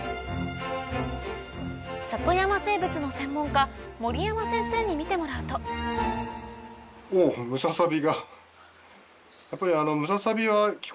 里山生物の専門家守山先生に見てもらうと基本的に。